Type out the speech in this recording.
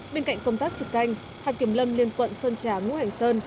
bên cạnh công tác trực canh hàng kiểm lâm liên quận sơn trà ngũ hành sơn